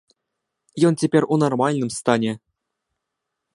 Ён цяпер у нармальным стане.